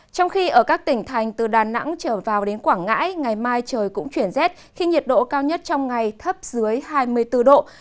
trong khi ở các tỉnh thành từ đà nẵng trở vào đến quảng ngãi ngày mai trời cũng chuyển rét khi nhiệt độ cao nhất trong ngày thấp dưới hai mươi bốn độ